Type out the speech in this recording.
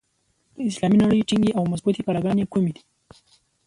د اسلامي نړۍ ټینګې او مضبوطي کلاګانې کومي دي؟